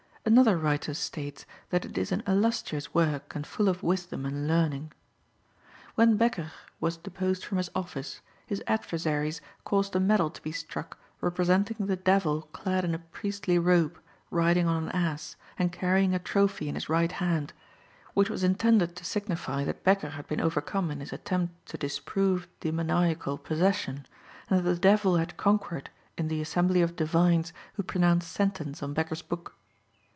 Another writer states that it is an illustrious work, and full of wisdom and learning. When Bekker was deposed from his office, his adversaries caused a medal to be struck representing the devil clad in a priestly robe, riding on an ass, and carrying a trophy in his right hand; which was intended to signify that Bekker had been overcome in his attempt to disprove demoniacal possession, and that the devil had conquered in the assembly of divines who pronounced sentence on Bekker's book.